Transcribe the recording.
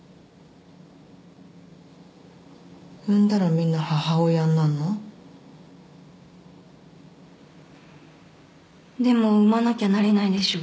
産んだらみんな母親になんの？でも産まなきゃなれないでしょ。